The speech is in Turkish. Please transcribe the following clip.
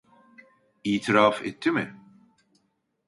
İtiraf etti mi?